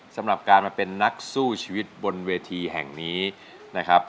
สำหรับการมาเป็นนักสู้ชีวิตบนเวทีแห่งนี้นะครับ